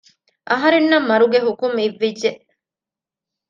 އަހަރެންނަށް މަރުގެ ހުކުމް އިއްވިއްޖެ